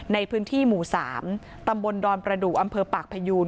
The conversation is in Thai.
ในพื้นที่หมู่๓ตำบลดอนประดูกอำเภอปากพยูน